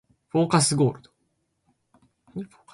フォーカスゴールド